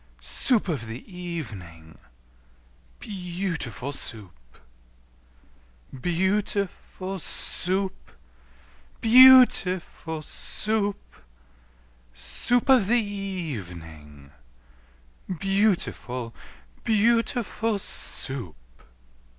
Soup of the evening, beautiful Soup! Beau ootiful Soo oop! Beau ootiful Soo oop! Soo oop of the e e evening, Beautiful, beautiful Soup!